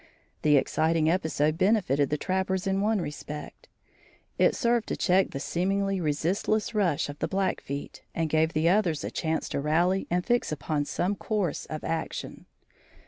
The exciting episode benefited the trappers in one respect: it served to check the seemingly resistless rush of the Blackfeet and gave the others a chance to rally and fix upon some course of action.